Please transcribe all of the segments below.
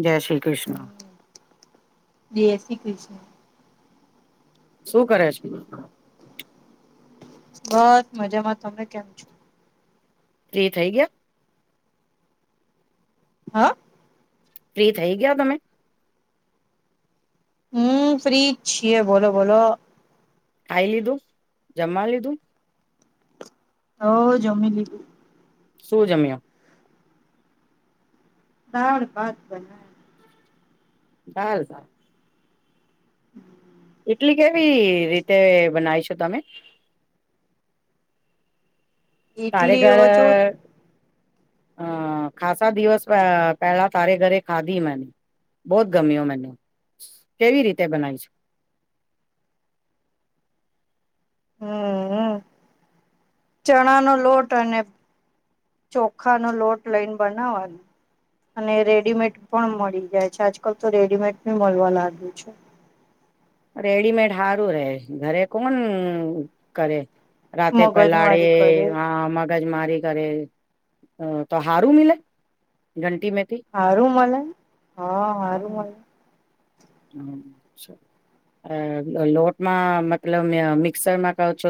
જય શ્રી કૃષ્ણ. જય શ્રી કૃષ્ણ. શું કરે છે? બસ મજામાં. તમને કેમ છો? ફ્રી થઈ ગયા? હાઅ. ફ્રી થઇ ગયા તમે? હમ્મ ફ્રી છીએ બોલો બોલો. ખઈ લીધું જમમા લીધું? હઓ જમી લીધું. શું જમ્યાં? દાળ ભાત બનાયા. દાળ ભાત. હમ્મ. તી કેવી રીતે બનાઈ શો તમે? તારે ઈડલી ઘર એવો જો અહ ખાસા દિવસ પ પેલા તારી ઘરે ખાધી મને. બહોત ગમ્યો મને. કેવી રીતે બનાઈ છ? [inaudible] હમ્મ-હમ્મ, ચણા નો લોટ અને ચોખા નો લોટ લઈન બનાવવાની. અને રેડીમેડ પણ મળી જાય છે. આજકાલ તો રેડીમેડ ભી મલવા લાગ્યું છે. રેડીમેડ હારું રહે. ઘરે કોણ કરે! રાતે મગજ પલાડે મારી કરે આ [unintelligible] મગજમારી કરે. અહ તો હારું મીલે? [unintelligible] હારું મલેન, હા સારું મલે. હમ્મ [unintelligible] અહ લોટમાં મતલબ મ મિક્સરમાં કછ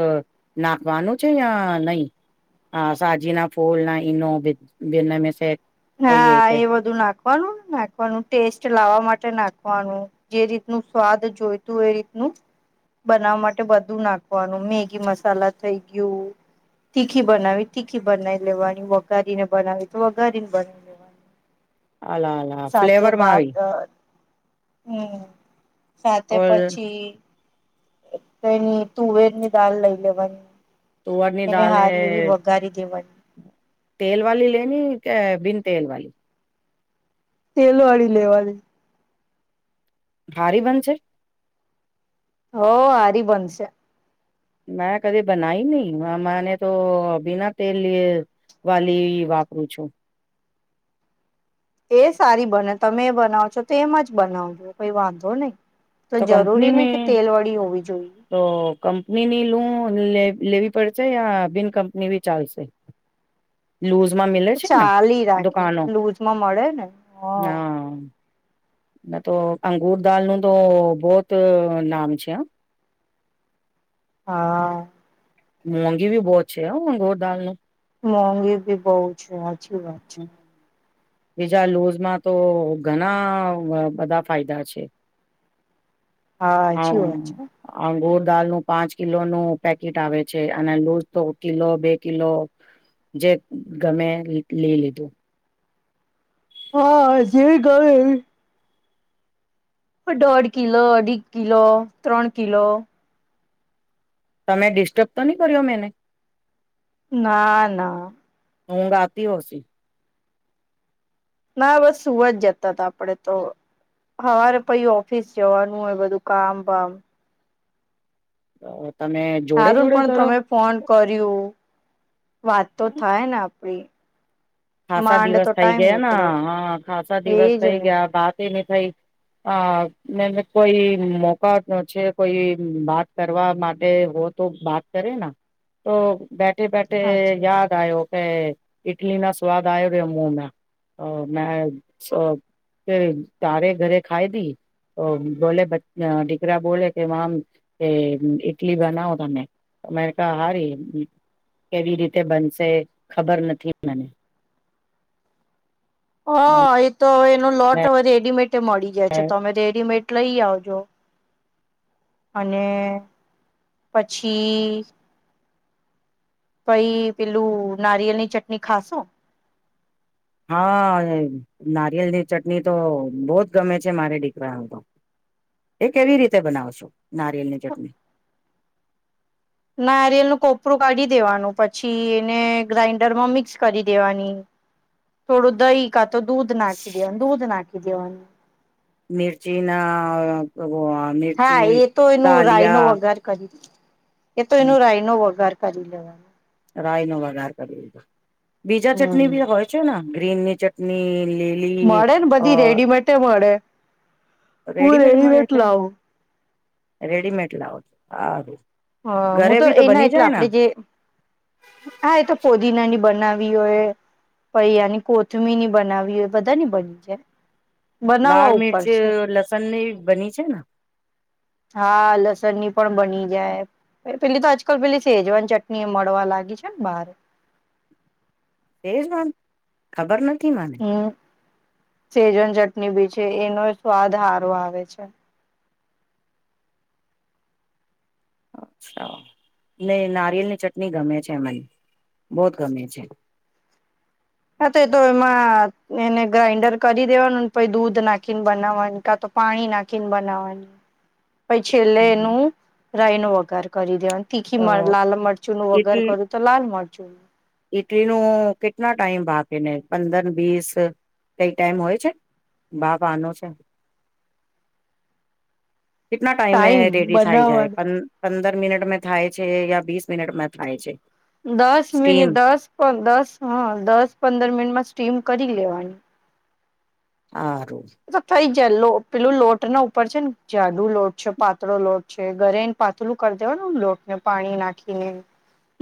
નાખવાનું છે યા નહીં, આ સાજી ના ફૂલ ના ઈનો બી બીને મે સે કોઈ હા કે એ બધું નાખવાનું, નાખવાનું ટેસ્ટ લાવવા માટે નાખ વાનું, જે રીતનું સ્વાદ જોઈતું એ રીતનું બનાવવા માટે બધું નાખવાનું, મેગી મસાલા થઈ ગયું તીખી બનાવી, તીખી બનાઈ લેવાની, વઘારીને બનાવી તો વઘારીને અલા અલા [inaudible] સાથે ફ્લેવરમાં ભાત આવી હમ્મ. સાથે ઓર પછી એક એની તુવેર ની દાળ લઈ લેવાની. તુવરની એને દાલ હારી એવી હૈ વઘારી દેવાની. તેલ વાલી લેની કે બિન તેલ વાઈ? તેલ વાળી લેવાની. હારી બનશે? હો હારી બંન છે. મે કદી બનાઈ નહી મેને તો બિના તેલ લ વાલી વાપરું છું. એ સારી બને તમે એ બનાવ છો તેમ જ બનાવજો કઈ વાંધો નહી. તો જરૂરી કંપની નહી મે કે તેલ વળી હોવી જોઈએ તો કંપનીની લું. લેવ લેવી પડશે યા બિન કંપની બિ ચાલશે. લુઝમાં મિલે તો છે ને ચાલી રાખે દુકાનો લૂઝમાં મળે ને હ [inaudible] હા. ના તો અંગુર દાલનું તો બહુત નામ છે હા. [inaudible] હા. મોંઘી ભી બહુત મઘોર દાલને મોંઘી ભી બહુ છે સાચી વાત છે. બીજા લૂઝમાં તો ઘણા બધા ફાયદા છે. સાચી હા વાત છે. અંગોર દાલ નું પાંચ કિલો નું પેકેટ આવે છે અને લૂઝ તો કિલો બે કિલો જે ગમે લઈ લીધું હા જે ઘણે ઈ દોઢ કિલો અઢી કિલો ત્રણ કિલો તમે ડિસ્ટર્બ તો નહી કર્યો મેને ના-ના. ઊઘ આવતી હશે. ના બસ સુવા જ જતા હતા આપડે તો. હવારે પછી ઓફિસ જવાનું હોય બધું કામ વામ તમે જોડે હારું જોડે પણ કરો. તમે ફોન કર્યું વાત તો થાય ને આપડી ખાસા માંડ દિવસ તો થઈ ટાઈમ ગયા નીકળે હા ખાસા દિવસ એજ થઈ ને ગયા બાત એ નઈ થઈ. અ કોઈ મોકા ન છે કોઈ વાત કરવા માટે હોત. તો બાત કરે ના તો બે બેઠે બેઠે સાચી વાત યાદ આયો કે ઇટલી ના સ્વાદ આયો રમુમાં હ મે હ તારે ઘરે ખાઈ દી તો બોલે દીકરા બોલે કે મામ કે ઇટલી બનાવો તમે અમેરા હારી કેવી રીતે બનશે ખબર નથી મને હા એ તો હવે એનો લોટ હવે રેડીમેડ મળી ગયા છે તમે રેડીમેટ લઈ આવજો. અને પછી પછી પેલું નારિયેલની ચટણી ખાશો. હા નારિયેલની ચટણી તો બહુ જ ગમે છે મારે દીકરા ને તો. એ કેવી રીતે બનાવ છો નારિયેલ ની ચટણી. નારિયેલ નુ કોપરું કાઢી દેવાનું પછી એને ગ્રાઇન્ડરમાં મિક્સ કરી દેવાની થોડું દહી કાતો દૂધ નાખી દેવાનું દૂધ નાખી દેવાનું. મિર્ચી ના હા મિર્ચી એ તો એનું રાય નો ડાલિયા વઘાર કરી એ તો એનું રાય નો વગાર કરી લેવાનો રાય નો વગાર કરી લીધો બીજા હમ ચટણી બી હોય છેને ગ્રીનની ચટણી ડલી મળે ને અ બધી રેડીમેડ મળે હું રેડીમેડ મળે છે લાવું રેડીમેડ લાવો છો હ હ હું તો એના એટલે આપડે જે હા એ તો પોદીનાની બનાવી હોય પૈયાની કોથમીની બનાવી હોય બધાની બની છે બનાવવા લાલ મિરચ ઉપર લસણની બની છે ને હા લસણની પણ બની જાય પેલી તો આજકાલ પેલી સેજવાન ચટણી મળવા લાગી છે ને બારે તેજ વાંધ ખબર નથી મને હમ સેજન ચટણી બી છે એનો સ્વાદ સારો આવે છે અચ્છા ને નારિયેલ ની ચટણી ગમે છે મને બહુત ગમે છે હા તો તો એમાં એને ગ્રાાઈન્ડર કરી દેવાનુંને પછ દૂધ નાખીને બનાવાનું કા પાણી નાખીને બનાવવાની [inaudible] પછ છેલ્લે એનું રાય નો વગાર કરી દેવા તીખી તો લાલ મરચું નું વગર કરું તો લાલ મરચું ન ઇટલીનું કેટના ટાઈમ ભ કેને પંદર બીસ કઈ ટાઈમ હોય છે બાપ આનો છે કેટલા ટાઈમે ટાઈમ રેડી થાય જાય બનાવવાનો પંદર મિનટ મે થાય છે યા બીસ મિટમાં થાય છે દ સ્ટીમ મિનિટ દસ દસ દસ પંદર મિનિટમાં સ્ટમ કરી લેવાની તો [inaudible] થઈ લો પેલું લોટ ના ઉપર છે ને જાડુ લોટ છે પાતળો લોટ છે ઘરે એને પાતળું કરી દેવાનું લોકને પાણી નાખીને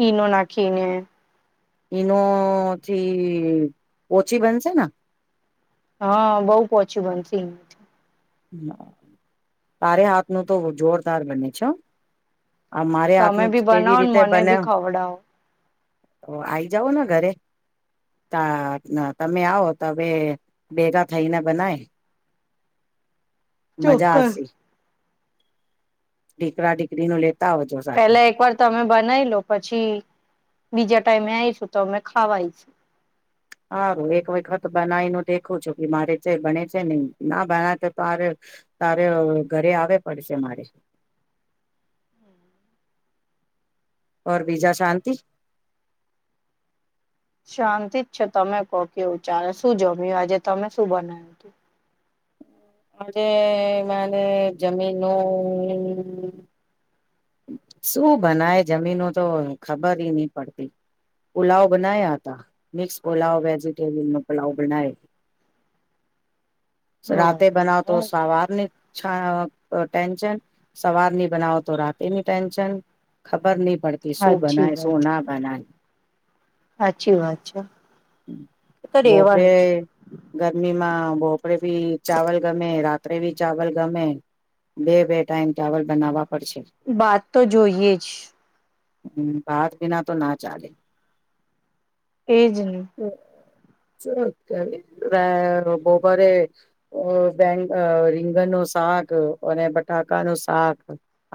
ઈનો નાખીને ઇનો થી ઓછી બનશે ને હા બહુ પોચું બનશે તારે હાથનું તો જોરદાર બને છે આ મારે તમે હાથનું બી કેવી બનાવો ને રીતે મને બને બી ખવડાવો તો આ આવી જાઓ ને ઘરે તા તમે આવો તવે ભેગા થઈને બનાય મજા ચોક્કસ આસી ીકરા ડીકરીનું લેતા આવજો સાથે પેલા એક વાર તમે બનાવી લો પછી બીજા ટાઈમે આવીયશું તો અમે ખાવાય છે સારું એક વખત બનાવી ન દેખું છું કે મારે જે ભને છે નને ના બના તો તોરે તારે ઘરે આવે પડશે મારી ઓર બીજા શાંતિ શાંતિ જ છે તમે કો કેવું ચારે શું જમ્યું આજે તમે શું બનાવ તું [inaudible] આજે માને જમીનનું શું બનાય જમીનો તો ખબર નહ પડતી પુલાવ બનાયા હતા મિક્સ પુલાવ વેજીિટેરિયન નો પુલાવ બનાવ રાતે બનાવ તો બરાબર સવારને ા ટેન્શન સવાર નની બનાવો તો રાતે ની ટેન્શન ખબર નહ પડતી શું સાચી બનાય શું વાત ના બનાય સાચી વાત છે તો રેવાનું ભોપરેે જ ગરમીમાં ભોપરેે ભી ચાવલ ગમે રાત્રે ભી ચાવલ ગમે બે બે ટાઈમ ચાવલ બનાવવા પડશે વાત તો જોઈએ જ હમ બાત બિના તો ના ચાલે એજ ન બોબરે બે રીંગનો શાક અને બટાકા નું શાક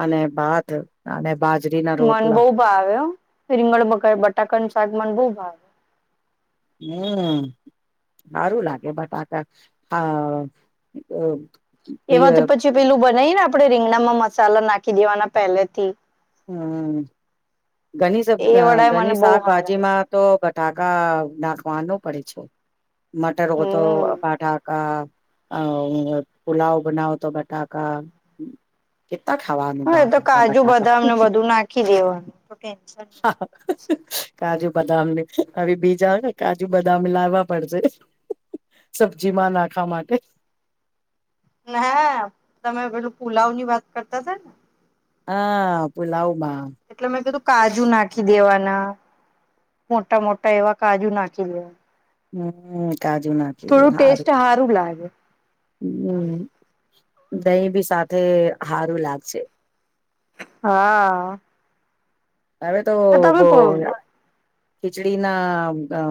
અને ભાત અને બાજરી ના મન રોટલા બહ ભાવ રીંગળ બટાકાનું શાક મન બહ ભાવ હમ સારું લાગે બટ આકા હા એમાંથી પછી પેલું બનાઈ ને આપડણે રીંગણામાં મસાલા નાખી દેવાના પહેલેથી હમ ઘણી સ એ વડાય મને ઘણી બહુ હારા શાકભાજી લાગે માં તો ફટાકા નાખવાનું પડે છે મટર તો હમ ફટાકા અ પુલાવ બનાઓ તો બટાકાા ત હવાનું બ ત બટાકા તને બધું નાખી દેવાનું કાજુ બદામ ને હવે બીજા કાજુ બદામ લાવવા પડશે સબ્જી માં નાખવા માટે હા તમે પેલું પુલાવ ની વાત કરતા છે ને હા પુલાવ એટલે મેં કીધું કાજુ નાખી દેવાના મોટા મોટા એવા કાજુ નાખી દેવા હમ કાજુ નાખી દે ટેસ્ટ સારું હારું લાગે હમ દહીં ભી સાથે સારું લાગશે હા હવે તો બહ તમે ખીચડી ના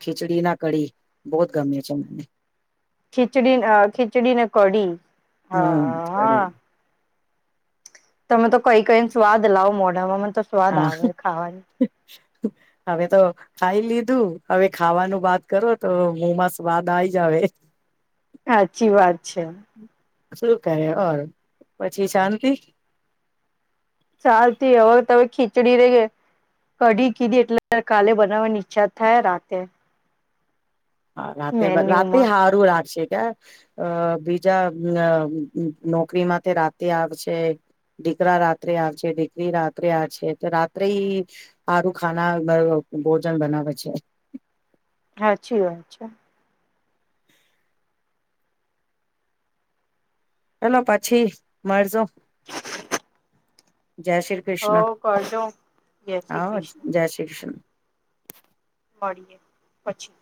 ખીચડી ના કડીી બહત ગમે છે મને [unintelligible] ખીચડી ખીચડી ને કડીી હા હમ હા કડી હા તમે તો કઈ કઈ સ્વાદ લાવ મોઢામાં તો સ્વાદ હા આવે ખાવાની હવે તો ખાઈ લીધું હવે ખાવાનું વાત કરો તો મોમાં સ્વાદ આવી જાવ [unintelligible] સાચી વાત છે શું કરે ઓ પછી શાંતિ ચાલતી હવે તમે ખીચડી રે ગ કઢી કીધી એટલે કાલે બનાવાની ઈ્છા થાય રાતે હા રાતે રાતે મેન્યુમાં સારું રાશે ક્યા અ બીજા નોકરીમાં તે રાતે આવશે દીકરા રાત્રે આવે છે દીકરી રાત્રે આ છે તો રાત્રે સારું ખાના ભોજન બનાવે છે હાછી વાય અચ્છા ચેલો પછી મળજો જય શ્રી હો કૃષ્ણ કરજો જય શ્રી હા કૃષ્ણ જય શ્રી કૃષ્ણ પછી